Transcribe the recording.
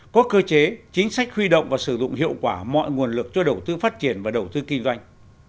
có cơ chế chính sách huy động và sử dụng hiệu quả mọi nguồn lực cho đầu tư phát triển và đầu tư kinh doanh